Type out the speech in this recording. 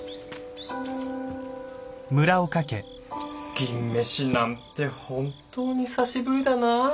銀飯なんて本当に久しぶりだな。